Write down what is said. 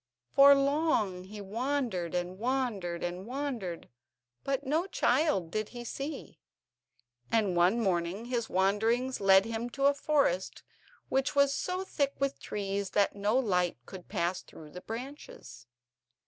For long he wandered, and wandered, and wandered, but no child did he see; and one morning his wanderings led him to a forest which was so thick with trees that no light could pass through the branches.